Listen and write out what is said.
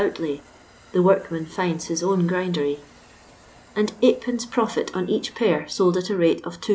outLiy (the workman finds his own grindery), and %d. profit on each pair sold at a rate of 2s.